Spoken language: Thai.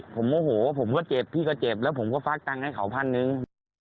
ผมโมโหผมก็เจ็บพี่ก็เจ็บแล้วผมก็ฟักตังค์ให้เขาพันหนึ่ง